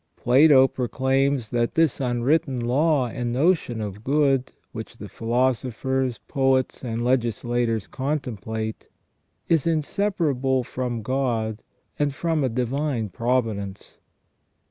Plato proclaims that this unwritten law and notion of good which the philosophers, poets, and legislators contemplate, is inseparable from God and from a divine providence.